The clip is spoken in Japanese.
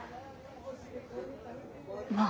まあ。